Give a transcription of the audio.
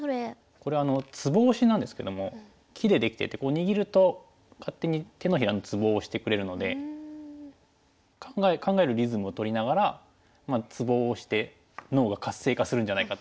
これツボ押しなんですけども木で出来てて握ると勝手に手のひらのツボを押してくれるので考えるリズムをとりながらツボを押して脳が活性化するんじゃないかと。